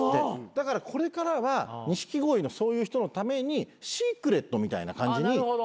だからこれからは錦鯉のそういう人のためにシークレットみたいな感じにしようと。